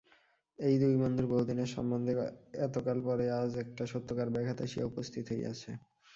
এই দুই বন্ধুর বহুদিনের সম্বন্ধে এতকাল পরে আজ একটা সত্যকার ব্যাঘাত আসিয়া উপস্থিত হইয়াছে।